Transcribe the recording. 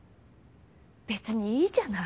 べつにいいじゃない。